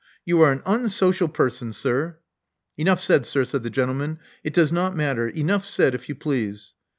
You are an unsocial person, sir." Enough said, sir," said the gentleman. It does not matter. Enough said, if you please."